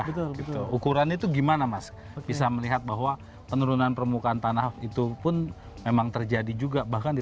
betul betul ukuran itu gimana mas bisa melihat bahwa penurunan permukaan tanah itu pun memang terjadi juga bahkan di